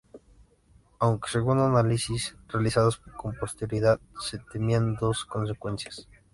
Aunque, según análisis realizados con posterioridad, se temían dos consecuencias.